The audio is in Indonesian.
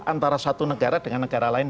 antara satu negara dengan negara lain